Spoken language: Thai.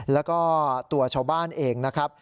แล้วก็ตัวชาวบ้านเองนะครับ